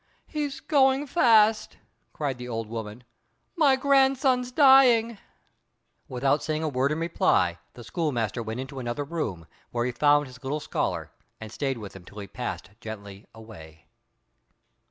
"He's going fast," cried the old woman; "my grandson's dying." Without saying a word in reply the schoolmaster went into another room, where he found his little scholar, and stayed with him till he passed gently away.